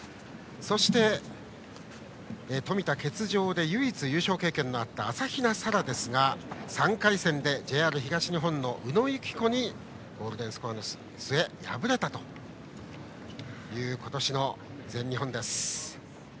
そして、冨田が欠場で唯一優勝経験のあった朝比奈沙羅ですが３回戦でＪＲ東日本の宇野友紀子にゴールデンスコアの末、敗れた今年の全日本です。